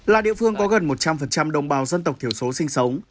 là địa phương có gần một trăm linh đồng bào dân tộc thiểu số sinh sống